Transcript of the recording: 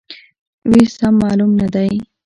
وېش سم معلوم نه دی.